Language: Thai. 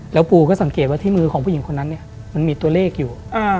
แล้วปูสังเกตว่าที่มือของผู้หญิงคนนั้นมีตัวเลขอยู่